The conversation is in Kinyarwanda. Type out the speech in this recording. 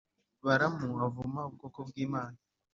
Baramu avuma ubwoko bw’imana